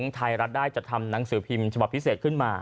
ไทยรัฐได้จัดทำหนังสือพิมพ์ฉบับพิเศษขึ้นมา